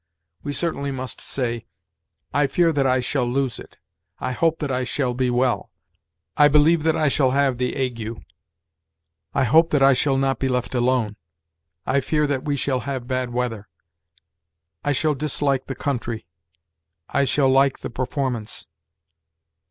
We certainly must say, "I fear that I shall lose it"; "I hope that I shall be well"; "I believe that I shall have the ague"; "I hope that I shall not be left alone"; "I fear that we shall have bad weather"; "I shall dislike the country"; "I shall like the performance."